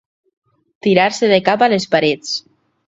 Tirar-se de cap a les parets.